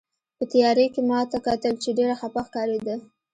په تیارې کې یې ما ته کتل، چې ډېره خپه ښکارېده.